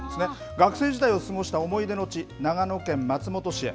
学生時代を過ごした思い出の地、長野県松本市へ。